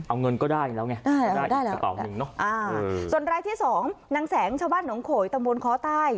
เอาเงินก็ได้แล้วไงได้แล้วส่วนรายที่๒นางแสงชาวบ้านหนองโขยตำบลค้อใต้